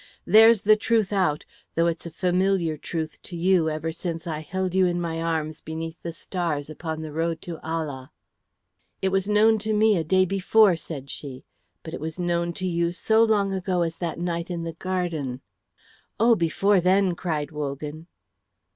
There's the truth out, though it's a familiar truth to you ever since I held you in my arms beneath the stars upon the road to Ala." "It was known to me a day before," said she; "but it was known to you so long ago as that night in the garden." "Oh, before then," cried Wogan.